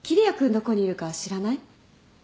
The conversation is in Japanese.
どこにいるか知らない？